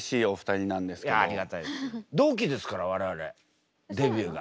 同期ですから我々デビューが。